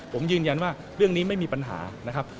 ผมยืนยันว่าเรื่องนี้ไม่มีปัญหานะครับ